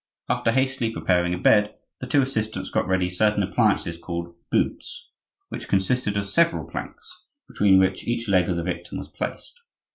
After hastily preparing a bed, the two assistants got ready certain appliances called boots; which consisted of several planks, between which each leg of the victim was placed.